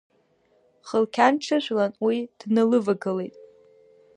Хылқьан дҽыжәлан уи дналывагылеит.